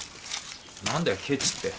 何だよケチって？